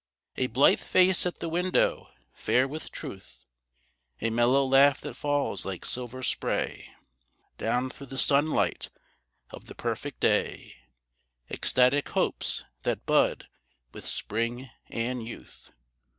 A blithe face at the window fair with truth; A mellow laugh that falls like silver spray; Down through the sunlight of the perfect day, Ecstatic hopes, that bud with Spring and Youth.